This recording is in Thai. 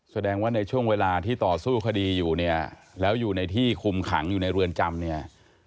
แสดงว่าในช่วงเวลาที่ต่อสู้คดีอยู่เนี่ยแล้วอยู่ในที่คุมขังอยู่ในเรือนจำเนี่ย